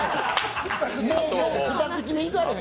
もう２口目いかれへん。